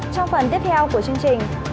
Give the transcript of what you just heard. trong phần tiếp theo của chương trình